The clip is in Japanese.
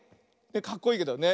かっこいいけど。ね。